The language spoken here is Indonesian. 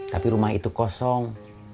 tapi rumah itu kosong